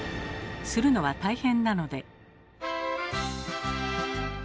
するのは大変なので。